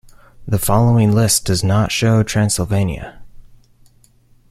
The following list does not show Transylvania.